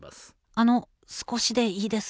あの少しでいいです。